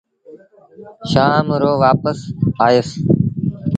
شآم رو وآپس آئيٚس